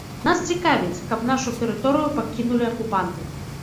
Нас цікавіць, каб нашу тэрыторыю пакінулі акупанты.